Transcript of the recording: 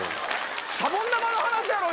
シャボン玉の話やろ！